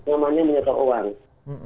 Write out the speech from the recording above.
pengakuan pengakuan itu gimana ibu